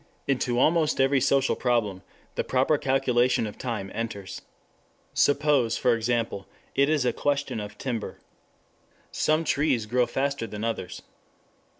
6 Into almost every social problem the proper calculation of time enters. Suppose, for example, it is a question of timber. Some trees grow faster than others.